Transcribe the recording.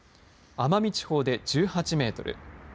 奄美地方で１８メートル。